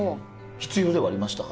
必要ではありましたか？